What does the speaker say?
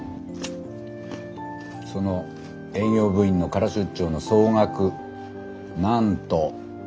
その営業部員の空出張の総額なんと。